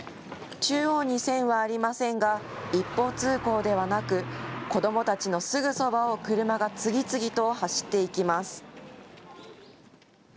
中央に線はありませんが一方通行ではなく子どもたちのすぐそばを車が次々と走っていきます。